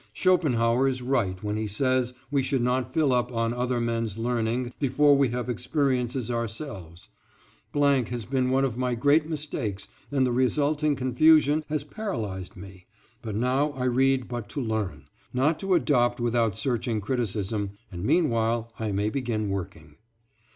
Schopenhauer is right when he says we should not fill up on other men's learning before we have experience ourselves .... has been one of my great mistakes and the resulting confusion has paralyzed me, but now I read but to learn, not to adopt without searching criticism, and meanwhile I may begin working.